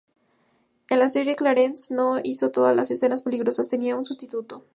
En la serie, Clarence no hizo todas las escenas peligrosas, tenía un sustituto.